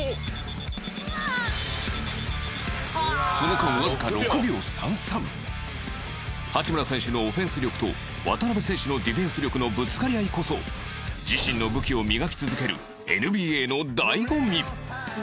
その間、わずか６秒３３八村選手のオフェンス力と渡邊選手のディフェンス力のぶつかり合いこそ自身の武器を磨き続けるＮＢＡの醍醐味